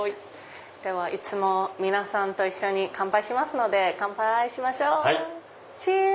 いつも皆さんと一緒に乾杯しますので乾杯しましょうチアーズ！